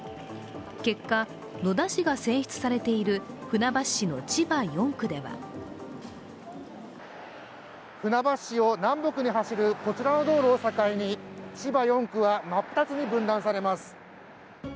結果、野田氏が選出されている船橋市の千葉４区では船橋市を南北に走るこちらの道路を境に、千葉４区は真っ二つに分断されます